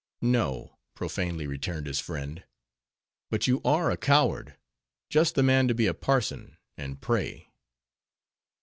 "No;" profanely returned his friend—"but you are a coward—just the man to be a parson, and pray."